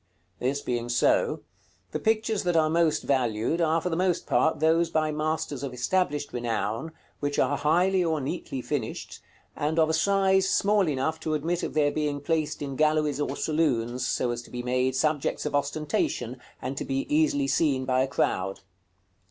§ CXXXVI. This being so, the pictures that are most valued are for the most part those by masters of established renown, which are highly or neatly finished, and of a size small enough to admit of their being placed in galleries or saloons, so as to be made subjects of ostentation, and to be easily seen by a crowd.